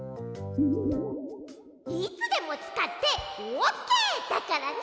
いつでもつかってオッケーだからね！